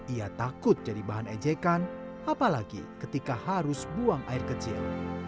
ia takut jadi bahan ejekan apalagi ketika harus buang air kecil